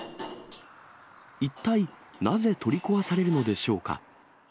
一体なぜ取り壊されるのでしょうか。